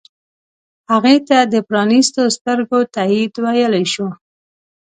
هغې ته د پرانیستو سترګو تایید ویلی شو.